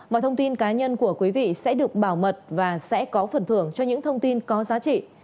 mọi thông tin cá nhân của quý vị sẽ được bảo mật và sẽ có phần thưởng cho những thông tin có giá trị